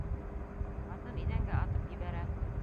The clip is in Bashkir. Ҡатын иҙәнгә атып ебәрә.